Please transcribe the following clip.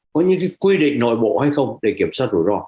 có những cái quy định nội bộ hay không để kiểm soát đủ rõ